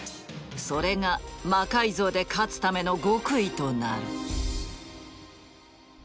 それが「魔改造」で勝つための極意となる。